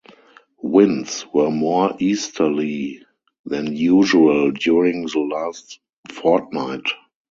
Winds were more easterly than usual during the last fortnight.